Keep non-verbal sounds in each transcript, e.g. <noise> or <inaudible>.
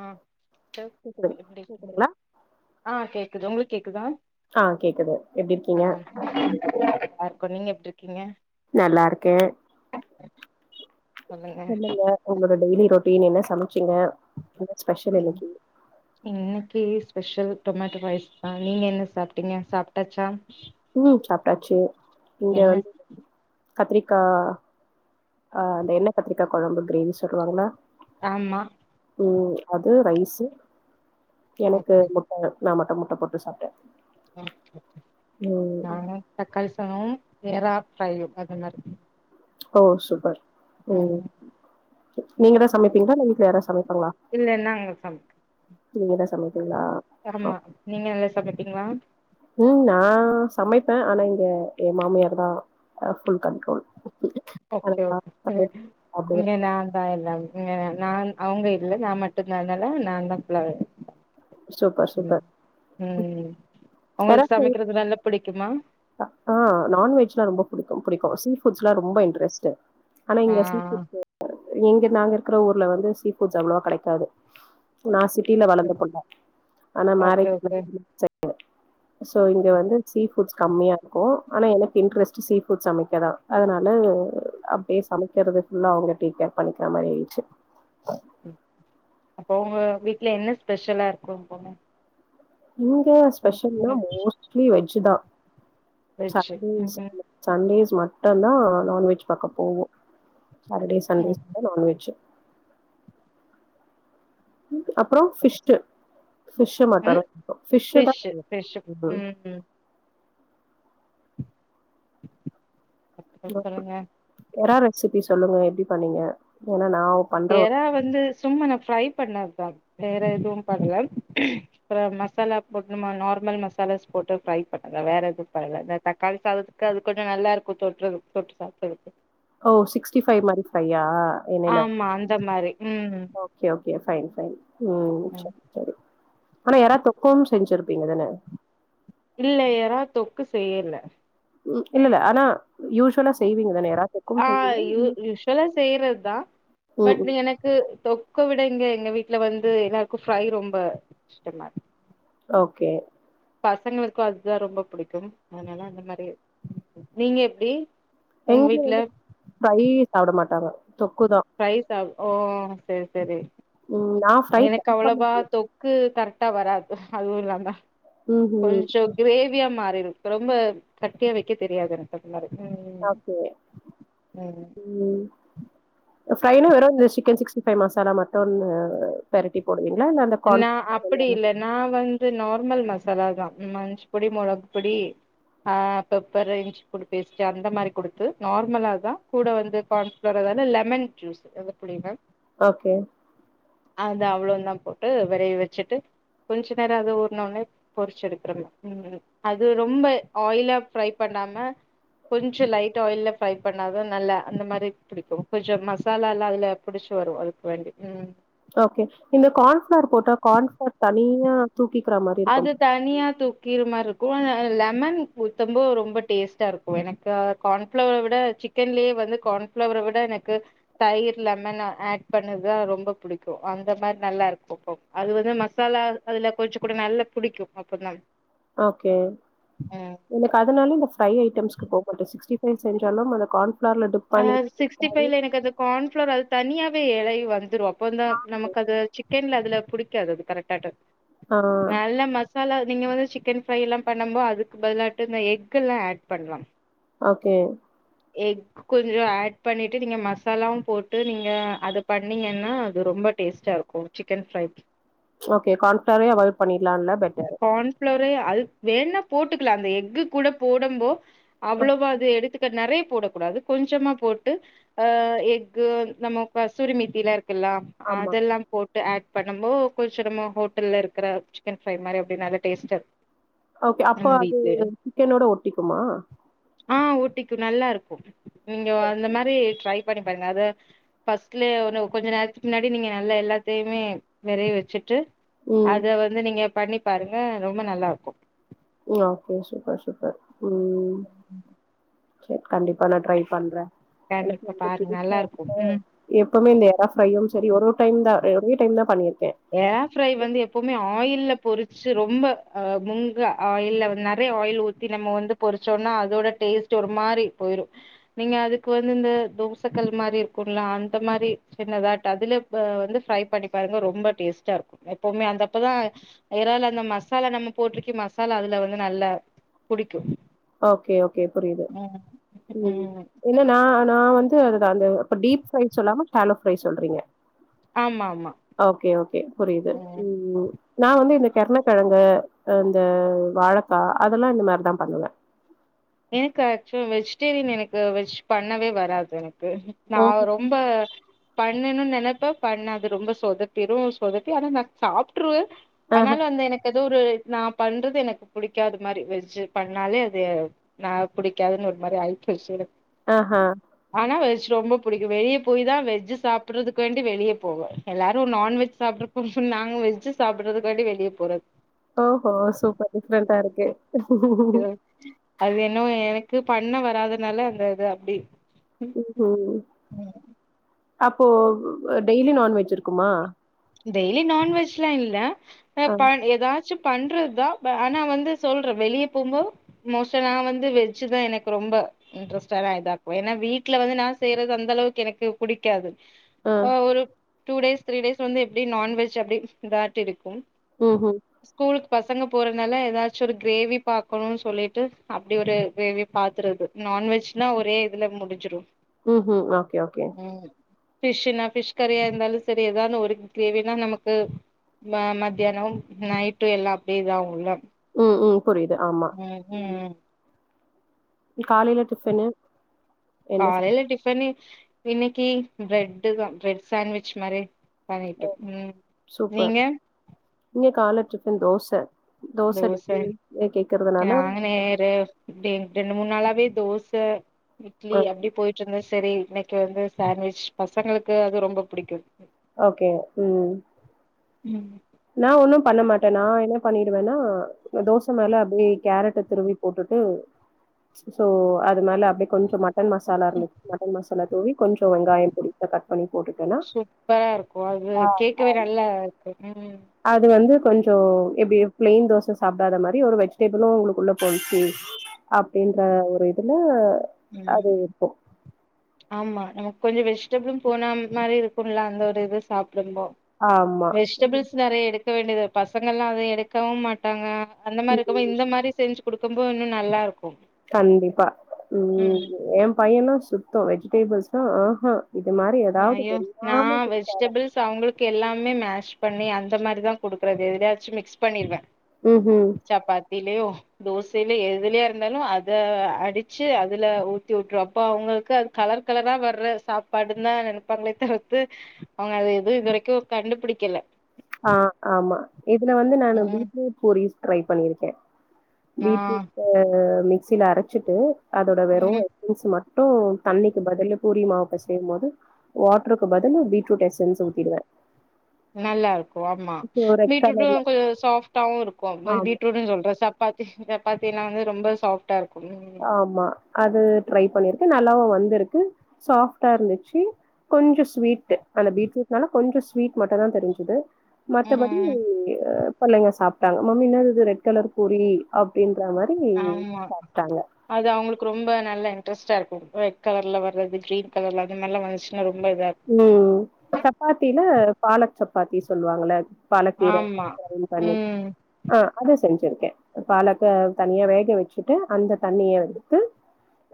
ஆ கேக்குது <inaudible> கேக்குதுங்களா கேக்குது உங்களுக்கு கேக்குதா ஆ கேக்குது எப்டி அ இருக்கீங்க இப்ப நீங்க எப்டி இருக்கீங்க நல்லாருக்கே சொல்லுங்க ஒங்ளொட டெய்லி ரொட் டீன் என்ன சம ச்சிங்க என்ன ஸ்பெஷல் ம் இன்னக்கி? இன்னைக்கு ஸ்பெஷல் டொமேட்டோ ரைஸ் தா நீங்க என்ன சாப்ட்டீங்க சாப்டாச்சா? ம் சாப்டாச்சு என்ன கத்திரிக்கா ஆ அந்த எண்ண கத்திரிக்கா கொழம்பு கிரேவி சொல்லுவாங்ள ஆமா ம் அது ரைஸு எனக்கு ஓகே முட்ட நா மட்டும் முட்ட போட்டு சாப்ட்டே <unintelligible> ம் நா‌னு தக்காளி சாதம் எறா பையு அது மாரி ஓ சூப்பர் ம் நீங்க தா சமைப்பீங்ளா இல்ல வீட்ல யாரா சமைப்பாங்ளா? இல்ல நாங்க சமைக் நீங்கதா சமை ஆமா நீங்க நல்லா சமப்பீங்ளா? ம் நா சமைப்பே ஆனா இங்க எ மாமியார் தா அ‌ ஃபுல் கன்ட்ரோல் ஓகே ஓகே சாப்பிடுவேன். இங்க நாந்தா எல்லாமே இங்க நான் அவுங்க இல்ல நா மட்டு்ந்தா அன்னால நாந்தா ஃபுல்லாவெ சூப்பர், ம் சூப்பர். ம் எறா அவுங்களுக்கு ஃப்ரை சமக்கிறதுல்லாந்தப் பிடிக்குமா? ஆ நான்வெஜ்லா ரொம்ப புடிக்கு புடிக்கு சீ ஃபுட்ஸ்லா ரொம்ப இன்ட்ரெஸ்ட்டு ஆனா ஆ இங்க சீ ஃபுட்ஸு இங்க நாங்கருக்குற ஊர்ல வந்து சீ ஃபுட்ஸ் அவ்ளவா கெடைக்காது. நா சிட்டில வளந்த பொண்ணு ஆனா ஓகே மேரேஜ் ஓகே <inaudible> சோ இங்க வந்து சீஃபுட்ஸ் கம்மியா இருக்கு ஆனா எனக்கு இன்ட்ரெஸ்ட்டு சீஃபுட் சமைக்கதா அதுனால அப்டியே சமைக்கிறது ஃபுல்லா அவுங்க டேக் கேர் பண்ணிக்கிற மாரி ஆயிட்ச்சு அப்பொ அவுங்க வீட்ல என்ன ஸ்பெஷலா இருக்கும் போல இங்க ஸ்பெஷல்னா மோஸ்ட்லி வெஜ் ஜு தா வெஜ்ஜு சாட்டர்டே ம் <inaudible> சண்டேஸ் மட்டந்தா நான்வெஜ் பக்க போவோ சாட்டர் டே வெஜ் சண்டேஸ் வந்தா நான்வெஜ்ஜு ம் அப்புறோ ஃபிஷ்டு ஃபிஷு மட்டு ம் தா கூப்டோ பிஷ்ஷு தா ஃபிஷ்ஷு ஃபிஷ்ஷு கூப்டுவோ <inaudible> ம் அப்றோ சொல்லுங்க <inaudible> எரா ரெசிபிஸ் சொல்லுங்க எப்டி பண்ணீங்க ஏன்னா நா பண்ற ஒரு ஏரா வந்து சும்மா நா ப்ரய் பண்ணதுதா வேற எதுவு பண்ல ம் அப்றோ மசாலா போட்டு நம்ம நார்மல் மசாலாஸ் போட்டு ஃப்ரை பண்ணுவ வேற எதுவு பண்ணல இந்த தக்காளி சாதத்துக்கு அது கொஞ்சோ நல்லா இருக்கு தொட்டுறதுக்கு தொட்டு சாப்பிடுறதுக்கு ண்ணிலா ஆமா அந்த மாரி ம் okay okay fine fine oh ம். சரி சரி ஆனா எரா தொக்காவு செஞ்சிருப்பீங்கதனே இல்ல எறா தொக்கு செய்யல ம் இல்லல்ல ஆனா யூஸ்ஷலா ஆ யூ யூஸ்வலா செய்றது தா பட் ம் எனக்கு தொக்கு விட ங்க எங்க வீட்டுல வந்து எல்லாருக்கு ஃப்ரை ரொம்ப இஷ்டமா ஓகே பசங்களுக்கு அதுதா ரொம்ப புடிக்கு அதனால அந்த மாரியே நீங்க எப்டி எங்க உங்க வீட்டுல வீட்ல வந்து ஃப்ரையே சாப்பிட மாட்டாங்க தொக்குதா ஃப்ரை சாப் ஓ செரி செரி ம் நா ஃப்ரை <inaudible> ல்ல குப்ட்டா வராது அது ஒரு ந்தாங்க ம்ஹூம் கொஞ்சோ கிரேவ் வியா மாறிறு ரொம்ப கட்டியா வைக்க தெரியாது எனக்கு அந்த மாறி பாத்து ம் ம் ஃப்ரைன்னா வெரு இந்த சிக்கன் சிக்ஸ்டி ஃபை மசாலா மட்டும் பெரட்டி போட்டு நா அப்டி இல்ல நா வந்து நார்மல் மசால் மசாலா தா மஞ்சுப்பொடி மொளகு பொடி ஆ பெப்பர் இஞ்சிப்பூடி பேஸ்ட்ட் அந்த மாரி குடுத்து நார்மலா தா கூட வந்து கார்ன்ஃப்ளவர் ஏதாவது லெமன் ஜூஸ் புடி ஓகே அது அவ்ளோ தா போ போட்டு வெரவி வச்சுட்டு கொஞ்சோ நேரம் அது ஊர்னுனோநே பொரிச்ச எடுக்கிறோங்க ம் அது ரொம்ப ஆயிலா ஃப்ரை பண்ணாம கொஞ்ச லைட் ஆயில்ல ஃப்ரை பண்ணாதா நல்லா அந்த மாரி புடிக்கும் கொஞ்சோ மசாலா எல்லாம் அதுல புடிச்சு வரும் அதுக்கு வேண்டி ம் ஓகே இந்த கான்ஃபளர் போட்ட கான்ஃபளர் த நீங்க அது தனியா துக்கிர மரு லெமன் ஊத்தம்பது ரொம்ப டேஸ்ட்டா இருக்கு எனக்கு கார்ன்ஃப்ளவர விட சிக்கன்லயே வந்து கார்ன்ஃப்ளவரை விட எனக்கு தயிர் லெமன் ஆட் பண்ணுதுதா ரொம்ப பிடிக்கு அந்த மாரி நல்லா இருக்கு அப்போ அது வந்து மசாலா அதுல கொஞ்சோ கூட நல்லா புடிக்கு அப்ப தா ஓகே எனக்கு அதனால இந்த ஃப்ரை ஐட்டம்ஸ்சு போக மாட்டே சிக்ஸ்டி ஸ் செஞ்சாலும் அந்த கான்ஃ ஆ சிக்ஸ்டி பைவ்ல எனக்கு அந்த கான்ஃப்ளவர் அது தனியா து எழைய வர்துரோ இப்ப வந்த நமக்கு அது சிக்கேன்ல அதுல புடிக்காது அது கரெக்டாட்ட ஆ நல்ல மத் சாலா நீங்க வந்து சிக்கன் ஃப்ரை எல்லா பண்ணபோ அதுக்கு பதிலாட்டு இந்த எக்குல்லாம் ஏட் பண்ணலா ஓகே எக் கொஞ்சம் ஏட் பண்ணிட்டு நீங்க மசாலாவும் போட்டு நீங்க அத பண்ணீங்கன்னா அது ரொம்ப டேஸ்ட்டா இருக்கு சிக்கன் ஃப்ரை ஓகே கான்பிளவரே அவாய்ட் பண்ணிலாம்ல பெட்டரு ஃப்ரே அல் வேன்னா போட்டுக்கலா அந்த எக்கு கூட போடம்போ அ அவ்ளோவா அது எடுத்துக்க நிறைய போடக் கூடாது கொஞ்சமா போட்டு ஆ எக்கு நம்மக் கசூரி மீத்தில இருக் ல்லா ஆமா அதெல்லா போட் ஏட் பண்ணம்போ கொஞ்சம் நம்ம ஹோட்டல்ல இருக்கிற சிக்கன் ஃப்ரை மாரி அப்டி நல்ல டேஸ்ட்டா இருக் ஓகே அப்பா அது சிக்கனோட ஒட்டிக்குமா ஆ ஒட்டிக்கு நல்லா இருக்கு நீங்க அந்த மாரி ட்ரை பண்ணி பாருங்க அத பஸ்ட்ல ஒ கொஞ்ச நேரத்துக்கு முன்னாடி நீங்க நல்ல எல்லாத்தையுமே வெரைய வச்சுட்டு ம் அத வந்து நீங்க பண்ணி பாருங்க ரொம்ப நல்லா இருக்கு ஓகே சூப்பர் சூப்பர் ம் செர் கண்டிப்பா நான் ட்ரை பண்றே எனக்கு கண்டிப்பா வந்து பாருங்க புடிச்சா நல்லா இருக்கும் ஆப்பமா ம் எப்பமே ந்த ப ப்யூம் சரி ஒருஒரு டைம்ந்தா ஒரே டைம் தா பண்ணிரு ஏர் ஃப்ரை வந்து எப்பமே ஆயில்ல பொறிச்சு ரொம்ப அ முங்க ஆயில்ல்ல நிறைய ஆயில் ஊத்தி நம்ம வந்து பொறிச்சோனா அதோட டேஸ்ட் ஒரு மாரி போயிரு நீங்க அதுக்கு வந்து இந்த தோசைக்கல் மாரி இருக்குங்களா அந்த மாரி சின்னதாட்ட அதுல வந்து ஃப்ரை பண்ணி பாருங்க ரொம்ப டேஸ்டா இருக்கு எப்பமே அந்தப்பதா எறால அந்த மசாலா நம்ம போட்டிருக்க மசாலா அதுல வந்து நல்லா புடிக்கு ஓகே ஓகே புரியுது ம் ம் இல்ல ந நா வந் து அது அந்த்ப்ப டீப் ப்ரை சொல்லாம ஸ்தலோ ஃப்ரை சொல்றீங்க ஆமா ஆமா ஓகே ஓகே புரியுது ம் ம் நா வந்து இந்த கர்ணக்கெழங்கு அ இந்த வாழைக்கா அதெல்லா இந்த மாரிதா பண்வே எனக்கு ஆக்சுவல் வெஜிடேரியன் எனக்கு வெஜ் பண்ணவே வராது நா ஓஹோ ரொம்ப பண்ணன்னும்னு நெனைப்ப பண்ண அது ரொம்ப சொதப்பிரு சொதப்பி ஆனா நா சாப்ட்ருவே ஆஹ ஆனாலு அந்து எனக்கு அது ஒரு நா பண்றது எனக்கு புடிக்காத மாரி வெஜ்ஜு பண்ணாலே அது நா புடிக்காதுன்னு ஒரு மாரி அயிட் வச்சுக்ர ஆ ஹா ரொம்ப பிடிக்கு வெளிய போய் தா வெஜ் சாப்பிறதுக்கு வேண்டி வெளிய போவே எல்லாரு நான்வெஜ் சாப்பிற நாங்க வெஜ்ஜு சாப்பிடறது வேண்டி வெளிய போறது ஆ ஹா சூப்பர் டிஃப்ரென்டா இருக்கு அது என்னவோ எனக்கு பண்ண வராதனால அந்த இது அப்டி ம் ஹ ம் அப்போ டெய்லி நான்வெஜ் இருக்குமா டெய்லி நான்வெஜ்லா இல்ல ஆ ப ஏதாச் ஜ்ஜுபண்றது தா ஆனா வந்து சொல்றே வெளிய போம்போ மோஸ்டா நா வந்து வெஜ்ஜுதா எனக்கு ரொம்ப இன்ட்ரெஸ்டான இதாக்கு ஏன்னா வீட்டுல வந்து நா செய்யறது அந்த அளவுக்கு எனக்கு புடிக்காது ஆ ஒரு டூ டேஸ் திரி டேஸ் வந்து எப்டி நான்வெஜ் அப்டி இதாட்டு இருக்கு ம் ஹ்ம் பசங்க போறதுனால ஏதாச்சு ஒரு கிரேவி பார்கக்கணும் சொல்லிட்டு அப்டி ஒரு கிரேவி பாத்துருது நான்வெஜ்னா ஒரே இதுல முடிஞ்சிடு ம் ஹ்ம் ஓகே ஓகே பிஷ்னா பிஷ் கரியா இருந்தாலு சரியதாவது ஒரு தேவைனா நமக்கு மத்தியானோ நைட்டு எல்லா அப்டியே இதா ஆகுள்ள ம் ம் புரியுது ஆமா ம் காலைல டிஃபனு என்ன சாப்ட? காலைல டிஃபனு இன்னைக்கு ப்ரெட் தா ப்ரெட் சான்ட்விச் மாரி ஒ பண்ணிட்டோ ம் சூப்பர் நீங்க இங்க கால டிஃபன் தோச தோச தோசடுக்கு ஏ கேக்குறதுனால நாங்க நேரு டே ரெண்டு மூணு நாளவே தோச இட்லி ஆ அப்டி போயிட்டு இருந்துச் சரி இன்னைக்கு வந்து சாண்ட்வெஜ் பசங்களுக்கு அது ரொம்ப பிடிக்கு ஓகே ம் உம் நான் ஒண்ணும் பண்ண மாட்டேன் நான் என்ன பண்ணிடுவேன்னா தோசை மேல அப்படியே கேரட் திருவி போட்டுட்டு சோ அது மேல அப்படியே கொஞ்ச மாட்ட மட்டன் மசாலா இருந்துச்ச மட்டன் மசாலா தூவி கொஞ்சம் வெங்காயம் பொடிசா கட் பண்ண போட்டுட்டேனா சூப்பரா இருக்கு அது கேக்கவே நல்லா இருக்கு ம் அது வந்து கொஞ்சம் எப்படி பிளைின் தோசை சாப்பிடாத மாதிரி ஒரு வெஜிடேபிளும் உங்களுக்குள்ள போச்சு அப்படின்ற ஒரு இது என்ன உம் ஆமா நமக்கு கொஞ்சம் வெஜிடபிளும் போன மாதிரி இருக்கும்லா அந்த ஒரு இது சா ப ஆமா வெஜிடபிள்ஸ் நெறைய எடு இருக்க வேண்டியது பசங்க எல்லாம் அத எடுக்கவும் மாட்டாங்க அந்த மாதிரி இருக்கும் ம் இந்த மாதிரி செஞ்சு கொடுக்கும் போது இன்னும் நல்லா இருக்கும் கண்டிப்பா உம் என் பையனும் சுத்தம் வெஜிடேபிள்ஸ்ஹ ஆஹ்ஹ ஐயோ நான் வெஜிடபிள்ஸ் அவங்களுக்கு எல்லாம் மேஷ் பண்ணி அந்த மாதிரிதான் குடுக்குறது எதலாச்சும் மிக்ஸ் பண்ணிக்குவேன் உம் உம்ம் இல்லையோ தோசையில எதுலயா இருந்தாலும் அத அடிச்சு அதுல ஊத்தி விட்டுரும் அப்போ அவங்களுக்கு அது கலர் கலரா வர்ற சாப்பாடு ந்த நெனப்பாங்கள தவிர்த்து அவங்க அது எது இதுவரைக்கும் கண்டுபிடிக்கல ஆஹ் ஆமா இதுல வந்து நான் ம் வீட்ல போளி ட்ரை பண்ணியிருக்கேன் ஆ வீட்டுக்கு சில அரைச்சிட்டு அதோட வெறும் ம் எஸன்ஸ் மட்டும் மட்டும் தண்ணிக்கு பதில் பூரி மாவுப்ப செய்யும் போது வாட்டருக்கு பதிலு பீட்ரூட் எஸன்ஸ் ஊத்திடுவேன் நல்லா இருக்கும் ஆமா ஸோ ரெட் கலர்ல பீட்ரூட்டும் கொஞ்சம் சாப்டாவும் இருக்கும் ஆமா. பீட்ரூட் சொல்ற சப்பாத்தி சப்பாத்தி எல்லாம் வந்து ரொம்ப சாப்ட் ஆமா அது ட்ரை பண்ணிருக் நல்லாவும் வந்திருக்கு சாப்டா இருந்துச்சு கொஞ்சம் ஸ்வீட் அந்த பீட்ரூட்னால கொஞ்சம் ஸ்வீட் மட்டும்தான் தெரிஞ்சுது மத்தபடி ம் அ பள்ளைங்க சாப்பிட்டாங்க மம்மி என்ன இது ரெட் கலர் பூரி அப்டினு அது மாதிரி ஆமா சாப்டா அது அவங்களுக் ரொம்ப நல்ல இன்ரெஸ்ட்டா இருக்கு ரெட் கலர்ல வது கிரீன் கலர்ல அது நல்லா வந்துச்சுன ம் சப்பாத்தில பால சப் பாத்தி சொல்லுவாங்கள பாலக்கீரை ஆமா <inaudible> பண்ணி ம் ஆ அத செஞ்சிரு த் பாலக்க தண்ணியா வேக வச்சுட்டு அந்த தண்ணிய எடுத்து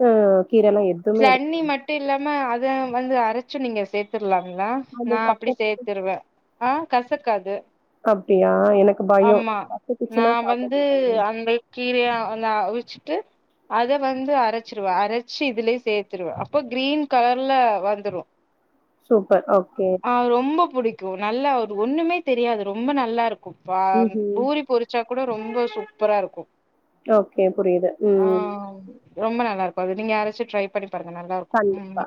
அ கீரல்லா எதுமே எடுக்க ஸ்லண்ணி மட்டு இல்லாம அத வந்து அரைச்சு நீங்க சேர்த்துர்லா ல்ல அந்த நா கத்த அப்டி சேர்த்தருவே ஆ கசக்காது அப்டியா எனக்கு பயோ ஆமா நா பட்டுக்குச்சுன்னா சாப்ட வந்து மாட்டாங்க அந்த கீரையா அந்த அவிச் ச்சுட்டு அத வந்து அரைச்சிருவ அரைச்சு இதுலயே சேர்த்துருவே அப்ப கிரீன் கலர்ல வந்துரு சூப்பர் ஓகே ஆ ரொம்ப புடிக்கு நல்லா ஒரு ஒண்ணுமே தெரியாது ரொம்ப நல்லா இருக் ப்பாம் ம்ஹ்ம் பூரி பொரிச்சா கூட ரொம்ப சூப்பரா இருக்கு ஓகே புரியுது ஆ ம் ரொம்ப நல்லார்க்கு அது நீங்க யாராச்சு ட்ரை பண்ணி பாருங்க நல்லா கண்டிப்பா இருக்கு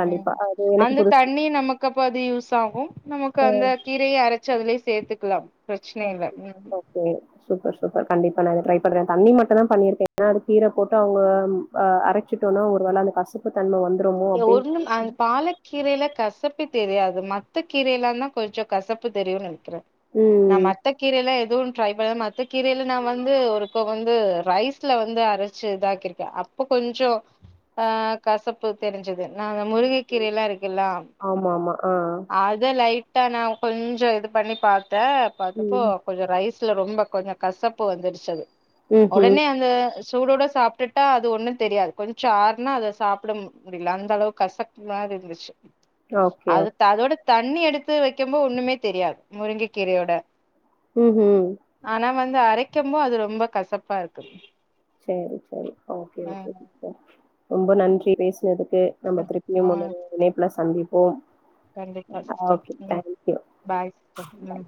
கண்டிப்பா ம் அது எனக்கு அந்த புதுசு தண்ணி நமக்கப் இப்ப அது யூஸ் ஆகு நமக்கு அந்த ம் கீரைய அரைச் ச்சு அதுல சேர்த்துக்கலா ஓகே சூப்பர் சூப்பர் கண்டிப் ப்பா ட்ரை பண்றே தண்ணி மட்டு தா பண்ணிருக்கே கீரை போட்டு அவங்க அரைச்சுடோனா கசப்பு தன்ம வந்து எய ஒண்ணும் அன் பாலக்கீரைையில கசப் பே தெரியாது மத்த கீரையல்லா தா கொஞ்ச கசப்பு தெரியும்னு நென்க்கிறே நா ம் மத்த கீரைல்லா எ து ட்ரை பன மத்த கீரையில நா வந்து ஒரு க வந்து ரைஸ்ல வந்து அரைச்சு இதாக்கிருக்கே அப்ப கொஞ்ச அ கசப் பு தெரி்ஞ்சது நாங்க முருங்கை கீரல்லா இருக் க்கில்லா ஆமா ஆமா ஆ அத லைட் டா நா கொஞ்ச இது பண்ணி பாத் த பாத்துப்போ ம் கொஞ்ச ரைஸ் துல ரொம்ப கொஞ்ச கசப்பு வந்துருச்ச அது ம்ஹ்ம் உடனே அந்த சூடோட சாப்டுட்டா அது ஒன்னு தெரியாது கொஞ்ச ஆற்னா அத சாப்புட முடில அந்த அளவுக் கசப்பு மாரி இருந்துச்சு ஓகே ஓ அதுத் ததோட தண்ணி எடுத்து வக்கிம்போ ஒன்னுமே தெரியாது முருங்க கீரையோட ம்ஹும் து அரைக்கம்போ அது ரொம்ப கசப்பா இருக்கு சேரி சேரி ஓகே ஓகே ம் சிஸ்டர் ரொம்ப நன்றி பேசுனது க்கு நம்ப ஆ திருப்பியும் உன்னொரு இணைப்புல சந்திப் போம் கண்டிப்பா சிஸ்டர் ம் பாய் சிஸ்டர் ம்